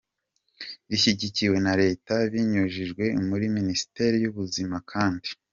rishyigikiwe na Leta binyujijwe muri Minisiteri y’Ubuzima, kandi.